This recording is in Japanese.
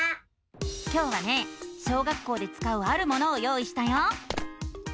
今日はね小学校でつかうあるものを用意したよ！